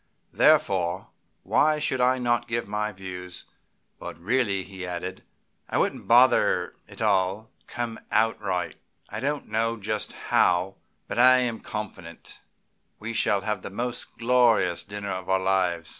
Therefore, why should I not give my views? But really," he added, "I wouldn't bother; it'll all come out right. I don't know just how, but I am confident we shall have the most glorious dinner of our lives.